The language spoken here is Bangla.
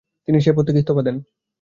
তিনি সেই পদ থেকে ইস্তফা দেন।